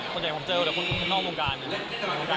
คือเจ้าตัวเหมือนกันนะ